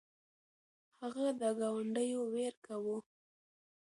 هغه د ګاونډیو ویر کاوه.